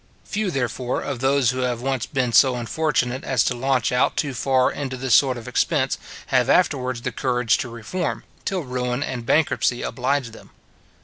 Few, therefore, of those who have once been so unfortunate as to launch out too far into this sort of expense, have afterwards the courage to reform, till ruin and bankruptcy oblige them.